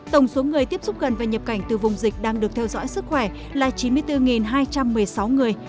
tổng số người tiếp xúc gần và nhập cảnh từ vùng dịch đang được theo dõi sức khỏe là chín mươi bốn hai trăm một mươi sáu người